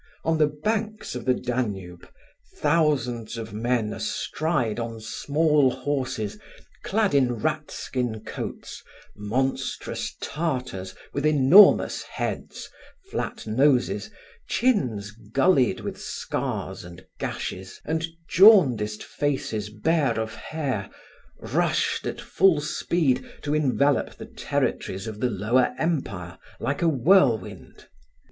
On the banks of the Danube, thousands of men astride on small horses, clad in rat skin coats, monstrous Tartars with enormous heads, flat noses, chins gullied with scars and gashes, and jaundiced faces bare of hair, rushed at full speed to envelop the territories of the Lower Empire like a whirlwind.